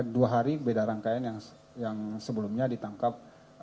dua hari beda rangkaian yang sebelumnya ditangkap